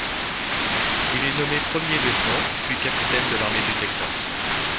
Il est nommé premier lieutenant puis capitaine de l'armée du Texas.